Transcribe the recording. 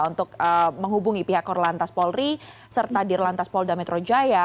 untuk menghubungi pihak korlantas polri serta dirlantas polda metro jaya